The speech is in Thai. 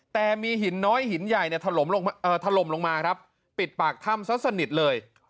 แต่มีหินน้อยหินใหญ่เนี่ยถล่มลงมาครับปิดปากถ้ำซะสนิทเลย